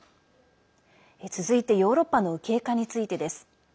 続いて、ヨーロッパの右傾化についてです。